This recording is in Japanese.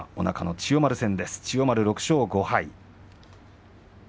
千代丸は６勝５敗です。